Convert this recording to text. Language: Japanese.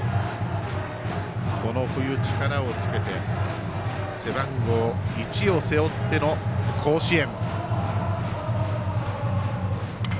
この冬、力をつけて背番号１を背負っての甲子園。